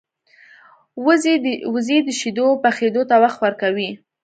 وزې د شیدو پخېدو ته وخت ورکوي